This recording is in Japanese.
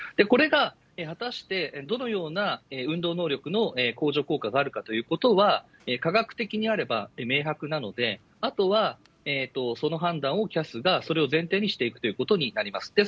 これが果たしてどのような運動能力の向上効果があるかということは、科学的にあれば明白なので、あとはその判断をＣＡＳがそれを前提にしていくということになります。